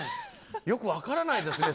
よく分からないですね。